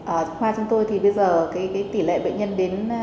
ở khoa chúng tôi thì bây giờ tỷ lệ bệnh nhân đến